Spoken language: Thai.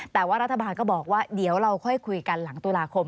แต่ว่ารัฐบาลก็บอกว่าเดี๋ยวเราค่อยคุยกันหลังตุลาคม